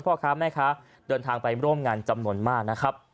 พ่อค้าแม่ค้าเดินทางไปร่วมงานจำนวนมากนะครับ